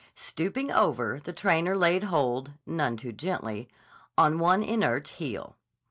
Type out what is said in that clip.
Stooping over, the trainer laid hold, none too gently, on one inert heel.